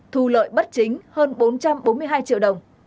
thu lợi bất chính hơn bốn trăm bốn mươi hai triệu đồng